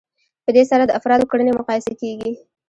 په دې سره د افرادو کړنې مقایسه کیږي.